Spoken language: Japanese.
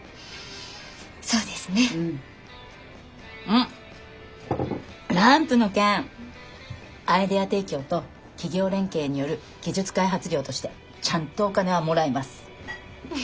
んランプの件アイデア提供と企業連携による技術開発料としてちゃんとお金はもらいます。